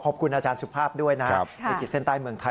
ขอบคุณอาจารย์สุภาพด้วยนะครับในขีดเส้นใต้เมืองไทย